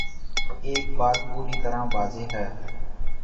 ایک بات پوری طرح واضح ہے۔